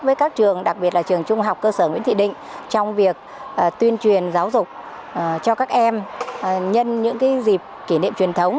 với các trường đặc biệt là trường trung học cơ sở nguyễn thị định trong việc tuyên truyền giáo dục cho các em nhân những dịp kỷ niệm truyền thống